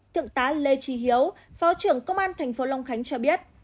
thượng tá lê tri hiếu phó trưởng công an tp long khánh cho biết